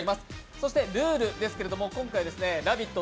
そしてルールですけれども、今回「ラヴィット！」